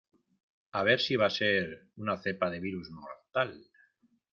a ver si va a ser una cepa de virus mortal.